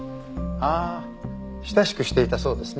ああ親しくしていたそうですね。